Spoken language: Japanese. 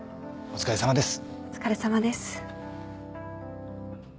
お疲れさまです。